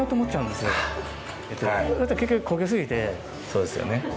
そうですよね。